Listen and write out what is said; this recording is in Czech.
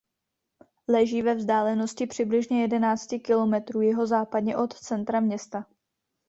Leží ve vzdálenosti přibližně jedenácti kilometrů jihozápadně od centra města.